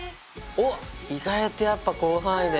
おっ意外とやっぱ広範囲で。